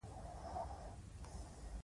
او ورته ووايې چې همدغه شى بيا له سره وکره.